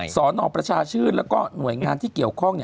สนประชาชื่นแล้วก็หน่วยงานที่เกี่ยวข้อง